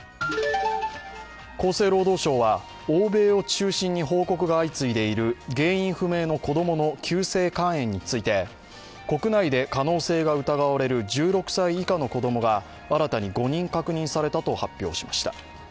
厚生労働省は欧米を中心に報告が相次いでいる原因不明の子供の急性肝炎について国内で可能性が疑われる１６歳以下の子供が新たに５人確認されたと発表しました。